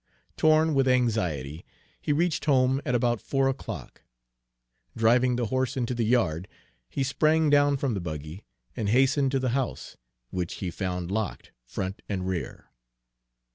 Torn with anxiety, he reached home at about four o'clock. Driving the horse into the yard, he sprang down from the buggy and hastened to the house, which he found locked, front and rear.